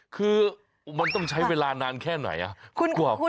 คือมันต้องใช้เวลานานแค่ไหน